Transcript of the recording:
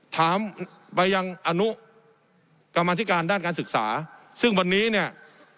ถามไปยังอนุกรรมธิการด้านการศึกษาซึ่งวันนี้เนี่ย